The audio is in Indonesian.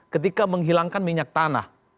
ketika menghilangkan minyak tanah